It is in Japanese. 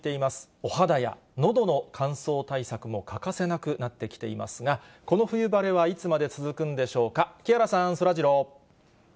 お肌やのどの乾燥対策も欠かせなくなってきていますが、この冬晴れはいつまで続くんでしょうか、木原さん、そらジロー。